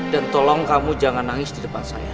dan tolong kamu jangan nangis di depan saya